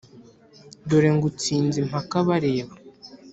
Dore ngutsinze impaka bareba,